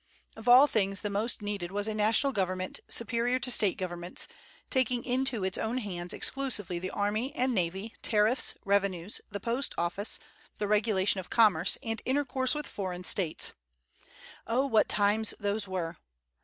Of all things the most needed was a national government superior to State governments, taking into its own hands exclusively the army and navy, tariffs, revenues, the post office, the regulation of commerce, and intercourse with foreign States. Oh, what times those were!